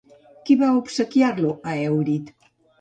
Qui va obsequiar-lo a Èurit?